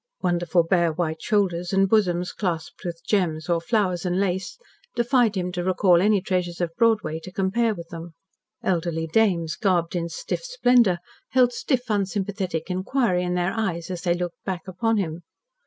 Wonderful bare white shoulders, and bosoms clasped with gems or flowers and lace, defied him to recall any treasures of Broadway to compare with them. Elderly dames, garbed in stiff splendour, held stiff, unsympathetic inquiry in their eyes, as they looked back upon him.